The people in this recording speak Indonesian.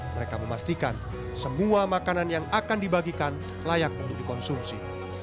mereka memastikan semua makanan yang akan dibagikan layak untuk dikonsumsi